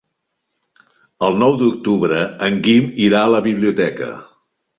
El nou d'octubre en Guim irà a la biblioteca.